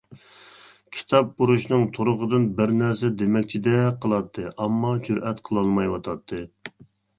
كىتابپۇرۇشنىڭ تۇرقىدىن بىرنەرسە دېمەكچىدەك قىلاتتى، ئەمما جۈرئەت قىلالمايۋاتاتتى.